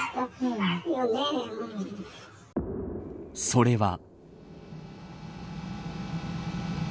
それは。